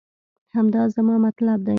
همدا زما مطلب دی